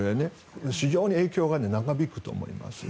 非常に影響が長引くと思います。